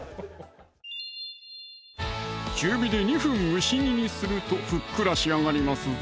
中火で２分蒸し煮にするとふっくら仕上がりますぞ